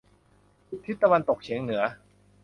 ทิศตะวันตกเฉียงเหนือ